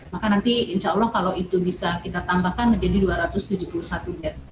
maka nanti insya allah kalau itu bisa kita tambahkan menjadi dua ratus tujuh puluh satu bed